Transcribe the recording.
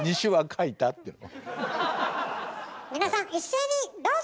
皆さん一斉にどうぞ！